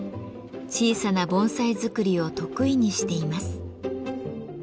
小さな盆栽作りを得意にしています。